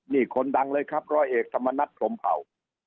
นี่คนดังเลยครับร้อยเอกธรรมนัฐพรมเผ่า